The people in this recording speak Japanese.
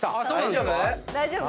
大丈夫？